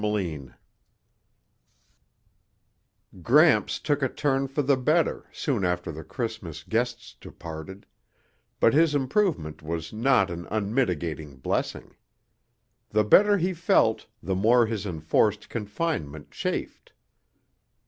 chapter 8 Gramps took a turn for the better soon after the Christmas guests departed, but his improvement was not an unmitigated blessing. The better he felt, the more his enforced confinement chafed.